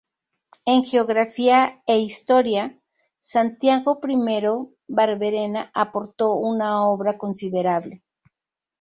En geografía e historia, Santiago I. Barberena aportó una obra considerable.